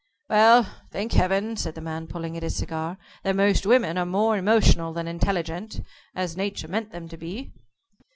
"Well, thank Heaven," said the man, pulling at his cigar, "that most women are more emotional than intelligent as Nature meant them to be."